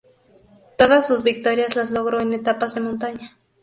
Todas sus victorias las logró en etapas de montaña.